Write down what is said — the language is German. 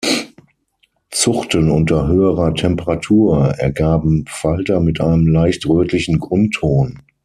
Zuchten unter höherer Temperatur ergaben Falter mit einem leicht rötlichen Grundton.